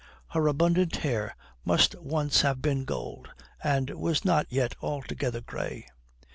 Her abundant hair must once have been gold, and was not yet altogether grey.